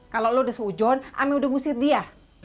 kalau lo udah sujon ami udah ngusit dia